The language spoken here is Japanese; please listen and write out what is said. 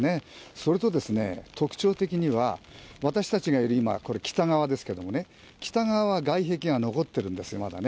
それと特徴的には、私たちがいる、今、北側ですけどもね、北側は外壁が残っているんです、まだね。